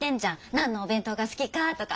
何のお弁当が好きかとか。